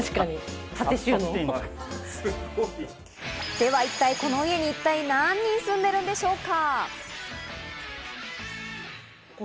では一体、この家には何人住んでいるのでしょうか。